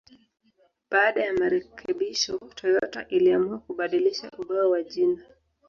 Baada ya marekebisho, Toyota iliamua kubadilisha ubao wa jina.